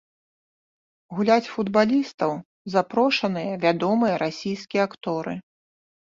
Гуляць футбалістаў запрошаныя вядомыя расійскія акторы.